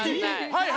はい！